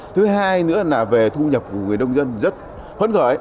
thứ hai nữa là về thu nhập của người nông dân rất phấn khởi